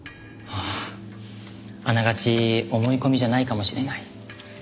あああながち思い込みじゃないかもしれない。